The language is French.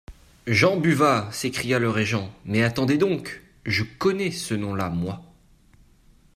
Jean Buvat ! s'écria le régent ; mais attendez donc ! je connais ce nom-là, moi.